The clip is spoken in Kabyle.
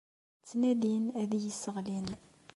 Ttnadin ad iyi-sseɣlin.